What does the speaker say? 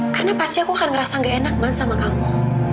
karena pasti aku akan ngerasa gak enak man sama kamu